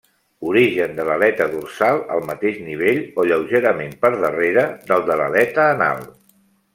Origen de l'aleta dorsal al mateix nivell o lleugerament per darrere del de l'aleta anal.